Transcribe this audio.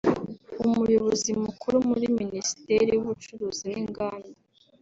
Umuyobozi mukuru muri Minisiteri y’Ubucuruzi n’inganda